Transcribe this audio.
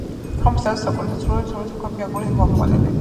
ღიობების თავზე დეკორატიული, ცრუ, სოლისებრი ქვებია, აგურით გამოყვანილი.